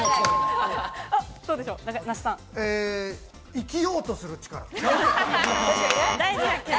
生きようとする力。